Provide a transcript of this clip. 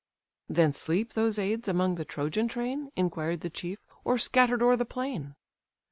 "Then sleep those aids among the Trojan train, (Inquired the chief,) or scattered o'er the plain?"